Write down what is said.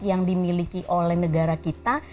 yang dimiliki oleh negara kita